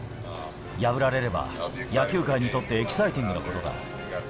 破られれば、野球界にとってエキサイティングなことだ。